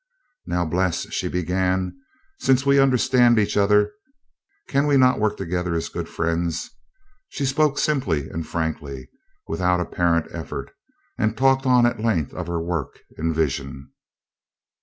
"Now, Bles," she began, "since we understand each other, can we not work together as good friends?" She spoke simply and frankly, without apparent effort, and talked on at length of her work and vision.